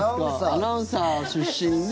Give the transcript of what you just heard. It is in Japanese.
アナウンサー出身で。